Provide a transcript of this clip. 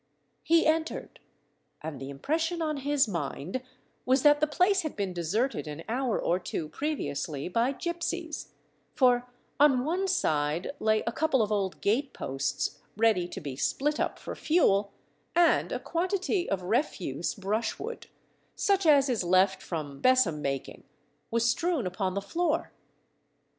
He entered, and the impression on his mind was that the place had been deserted an hour or two previously by gipsies, for on one side lay a couple of old gate–posts ready to be split up for fuel, and a quantity of refuse brush–wood, such as is left from besom making, was strewn upon the floor.